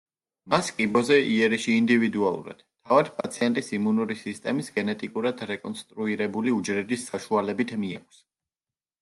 მას კიბოზე იერიში ინდივიდუალურად, თავად პაციენტის იმუნური სისტემის გენეტიკურად რეკონსტრუირებული უჯრედის საშუალებით მიაქვს.